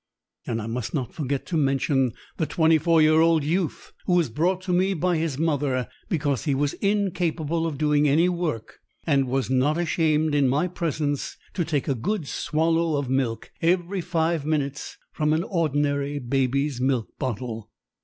And I must not forget to mention the twenty four year old youth who was brought to me by his mother because he was incapable of doing any work and who was not ashamed in my presence to take a good swallow of milk every five minutes from an ordinary baby's milk bottle.